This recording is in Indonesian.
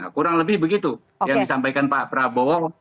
kurang lebih begitu yang disampaikan pak prabowo